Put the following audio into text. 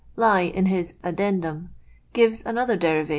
— Lye, in his Add., gives another deriv.